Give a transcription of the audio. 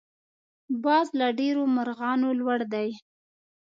باز له ډېرو مرغانو لوړ دی